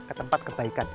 ke tempat kebaikan